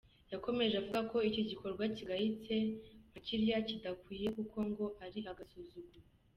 Yakomeje avuga ko igikorwa kigayitse nka kiriya kidakwiye kuko ngo ari agasuzuguro.